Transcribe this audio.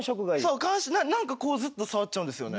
そう何かこうずっと触っちゃうんですよね。